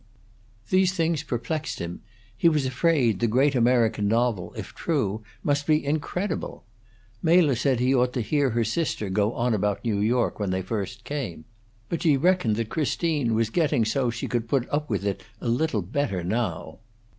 These things perplexed him; he was afraid the great American novel, if true, must be incredible. Mela said he ought to hear her sister go on about New York when they first came; but she reckoned that Christine was getting so she could put up with it a little better, now.